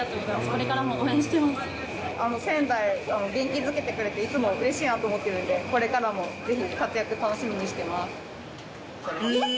これからも応援し仙台を元気づけてくれて、いつもうれしいなと思ってるんで、これからもぜひ活躍、楽しみにしえー！